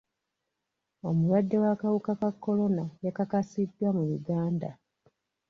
Omulwadde w'akawuka ka kolona yakakasiddwa mu Uganda.